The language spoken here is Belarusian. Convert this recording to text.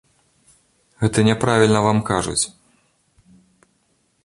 Гэта няправільна вам кажуць.